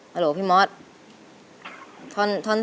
ฮัลโหลพี่มอสทอน๒น่ะ